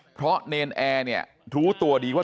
เพราะเนรนแอร์เนี่ยรู้ตัวดีว่า